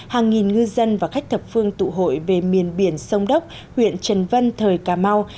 hàng nghìn ngư dân và khách thập phương tụ hội về miền biển sông đốc huyện trần văn thời cà mau